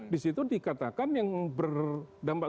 di situ dikatakan yang berdampak